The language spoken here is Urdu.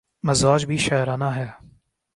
مزاج بھی شاعرانہ ہے۔